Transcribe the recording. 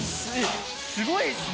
┐すごいですね。